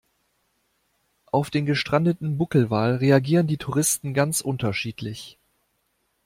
Auf den gestrandeten Buckelwal reagieren die Touristen ganz unterschiedlich.